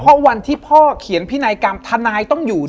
เพราะวันที่พ่อเขียนพินัยกรรมทนายต้องอยู่